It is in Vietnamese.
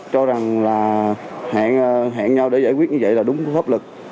cho rằng là hẹn nhau để giải quyết như vậy là đúng pháp lực